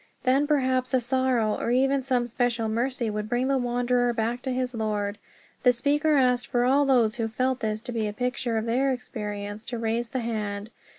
Then perhaps a sorrow, or even some special mercy, would bring the wanderer back to his Lord. The speaker asked for all those who felt this to be a picture of their experience to raise the hand.